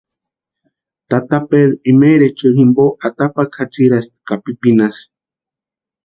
Tata Pedru imaeri echeri jimpo atapakwa jatsirasti ka pipinasï.